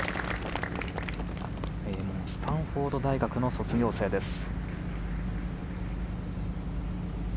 名門スタンフォード大学の卒業生です。